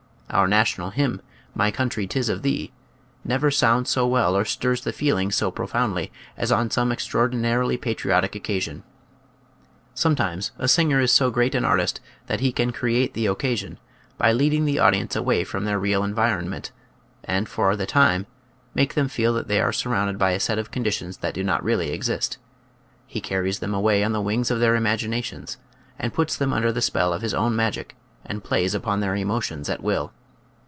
Our national hymn, " My country, 'tis of thee," never sounds so well or stirs the feelings so profoundly as on some extraordinarily patri otic occasion. Sometimes a singer is so great an artist that he can create the occasion, by leading the audience away from their real en vironment and, for the time, make them feel that they are surrounded by a set of conditions that do not really exist. He carries them away on the wings of their imaginations and puts them under the spell of his own magic and plays upon their emotions at will.